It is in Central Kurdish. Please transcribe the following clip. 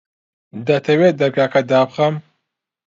دەتەوێت دەرگاکە دابخەم؟